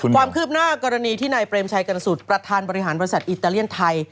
ความคืบหน้ากรณีที่นายเปรมชัยกรรณสุดประธานบริหารบริษัทอิตาเลียนไทย